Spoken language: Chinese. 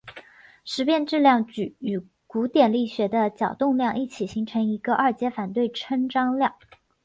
时变质量矩与古典力学的角动量一起形成一个二阶反对称张量。